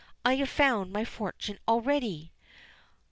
"I have found my fortune already."